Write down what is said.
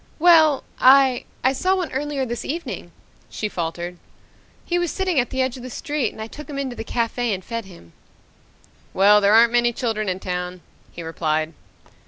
"Well I I saw one earlier this evening," she faltered. "He was sitting at the edge of the street and I took him into the cafe and fed him." "Well, there aren't many children in town," he replied.